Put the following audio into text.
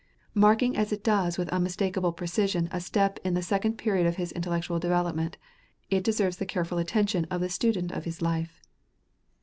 Marking as it does with unmistakable precision a step in the second period of his intellectual development, it deserves the careful attention of the student of his life.